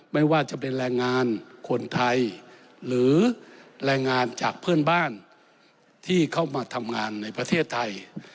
ไม่ว่าจะเป็นแรงงานคนไทยหรือแรงงานจากเพื่อนบ้านที่เข้ามาทำงานในประเทศไทย